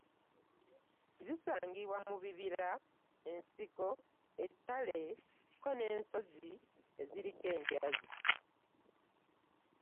Zisangibwa mu bibira, ensiko, ettale ko ne mu nsozi eziriko enjazi.